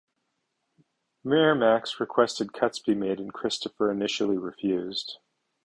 Miramax requested cuts be made and Christopher initially refused.